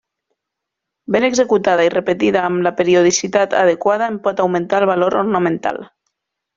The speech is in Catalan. Ben executada i repetida amb la periodicitat adequada, en pot augmentar el valor ornamental.